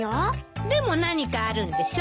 でも何かあるんでしょ。